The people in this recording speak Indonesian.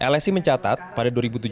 lsi mencatat pada dua ribu tujuh belas